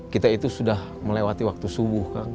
kita itu sudah melewati waktu subuh kan